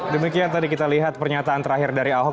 demikian tadi kita lihat pernyataan terakhir dari ahok